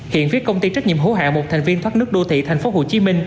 hiện phía công ty trách nhiệm hữu hạng một thành viên thoát nước đô thị tp hcm